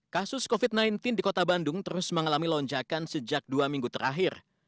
kasus covid sembilan belas di kota bandung terus mengalami lonjakan sejak dua minggu terakhir